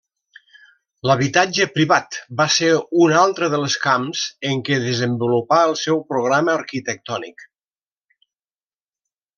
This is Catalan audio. L'habitatge privat va ser un altre dels camps en què desenvolupà el seu programa arquitectònic.